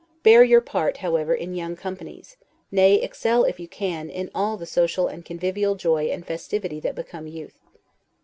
Bear your part, however, in young companies; nay, excel, if you can, in all the social and convivial joy and festivity that become youth.